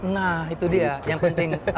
nah itu dia yang penting